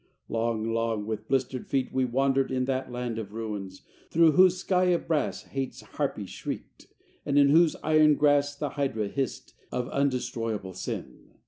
XV Long, long with blistered feet we wandered in That land of ruins, through whose sky of brass Hate's harpy shrieked; and in whose iron grass The hydra hissed of undestroyable Sin.